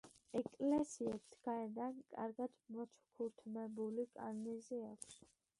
ეკლესიებს გარედან კარგად მოჩუქურთმებული კარნიზი აქვს.